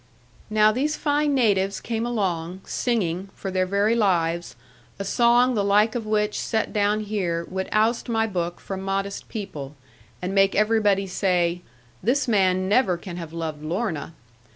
Now these fine natives came along, singing, for their very lives, a song the like of which set down here would oust my book from modest people, and make everybody say, 'this man never can have loved Lorna.'